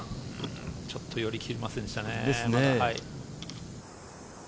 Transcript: ちょっと寄りきりませんでしたね。